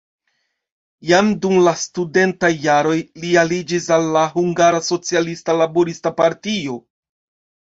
Jam dum la studentaj jaroj li aliĝis al la Hungara Socialista Laborista Partio.